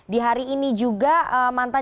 di hari ini juga